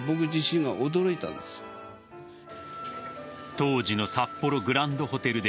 当時の札幌グランドホテルで